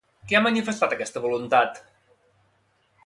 Qui ha manifestat aquesta voluntat?